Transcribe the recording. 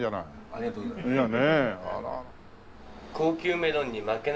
ありがとうございます。